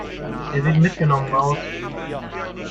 Er sieht mitgenommen aus.